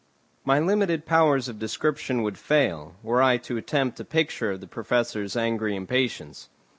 My limited powers of description would fail, were I to attempt a picture of the Professor's angry impatience.